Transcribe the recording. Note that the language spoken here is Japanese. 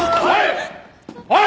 おい！